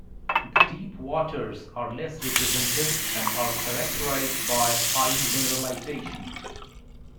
The deep waters are less represented and are characterized by high mineralization.